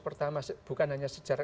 pertama bukan hanya